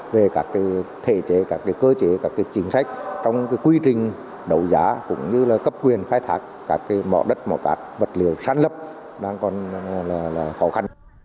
về các thể chế các cơ chế các chính sách trong quy trình đầu giá cũng như là cấp quyền khai thác các mỏ đất mỏ cát vật liều sàn lấp đang còn khó khăn